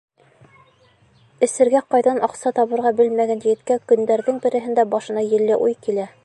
Эсергә ҡайҙан аҡса табырға белмәгән егеткә көндәрҙең береһендә башына елле уй килә.